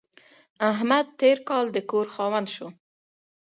احمد تېر کال د کور خاوند شو.